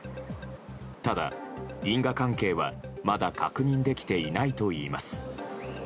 ただ、因果関係はまだ確認できていないといいます。